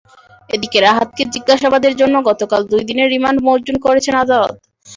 এদিকে রাহাতকে জিজ্ঞাসাবাদের জন্য গতকাল দুই দিনের রিমান্ড মঞ্জুর করেছেন আদালত।